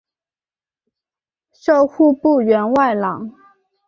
授户部员外郎。